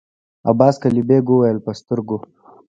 عباس قلي بېګ وويل: په سترګو!